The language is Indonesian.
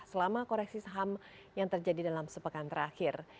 selama koreksi saham yang terjadi dalam sepekan terakhir